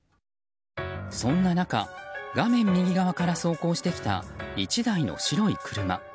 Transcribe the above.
そんな中、画面右側から走行してきた１台の白い車。